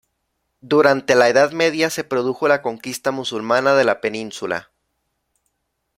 Durante la edad media se produjo la conquista musulmana de la península.